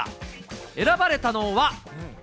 選ばれたのは。